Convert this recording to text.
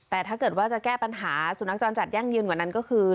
แต่ถ้าเกิดว่าจะแก้ปัญหาสุนัขจรจัดยั่งยืนกว่านั้นก็คือ